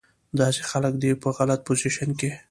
داسې خلک دې پۀ غلط پوزيشن کښې